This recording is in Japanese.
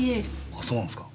あそうなんすか。